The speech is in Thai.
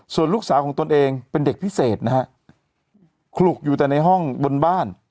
ส่วนลูกสาวของตนเองเป็นเด็กพิเศษนะฮะขลุกอยู่แต่ในห้องบนบ้าน